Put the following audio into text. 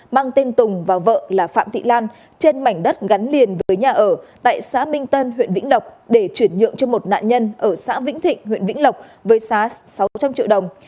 mang tên tùng và vợ là phạm thị lan trên mảnh đất gắn liền với nhà ở tại xã minh tân huyện vĩnh lộc để chuyển nhượng cho một nạn nhân ở xã vĩnh thịnh huyện vĩnh lộc với giá sáu trăm linh triệu đồng